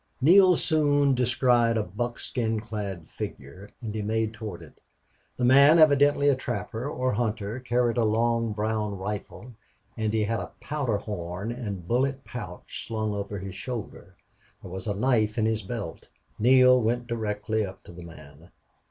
Neale soon descried a buckskin clad figure, and he made toward it. The man, evidently a trapper or hunter, carried a long, brown rifle, and he had a powder horn and bullet pouch slung over his shoulder. There was a knife in his belt. Neale went directly up to the man.